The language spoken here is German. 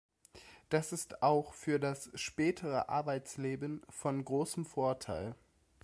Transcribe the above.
Das ist auch für das spätere Arbeitsleben von großem Vorteil.